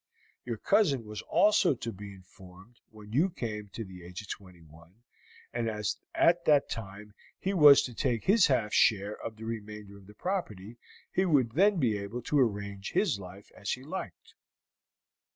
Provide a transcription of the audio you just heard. Your cousin was also to be informed when you came to the age of twenty one, and as at that time he was to take his half share of the remainder of the property, he would then be able to arrange his life as he liked.